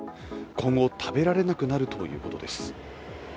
今後食べられなくなるということです。